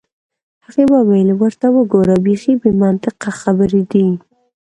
هغې وویل: ورته وګوره، بیخي بې منطقه خبرې دي.